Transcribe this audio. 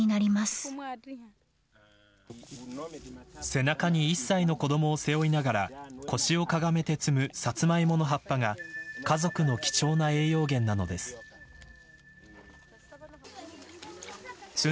背中に１歳の子どもを背負いながら腰をかがめて摘むサツマイモの葉っぱが家族の貴重な栄養源なのです。